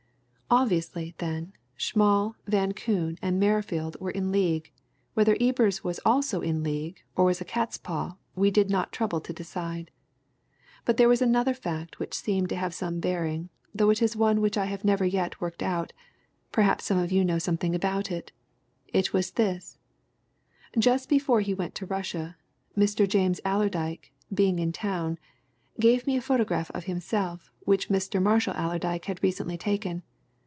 "Obviously, then, Schmall, Van Koon, and Merrifield were in league whether Ebers was also in league, or was a catspaw, we did not trouble to decide. But there was another fact which seemed to have some bearing, though it is one which I have never yet worked out perhaps some of you know something of it. It was this: Just before he went to Russia, Mr. James Allerdyke, being in town, gave me a photograph of himself which Mr. Marshall Allerdyke had recently taken.